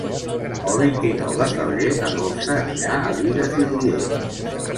El vint-i-nou de febrer na Dolça anirà a Bigues i Riells.